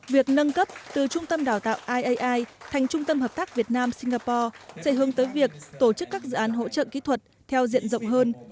việc nâng cấp từ trung tâm đào tạo iai thành trung tâm hợp tác việt nam singapore sẽ hướng tới việc tổ chức các dự án hỗ trợ kỹ thuật theo diện rộng hơn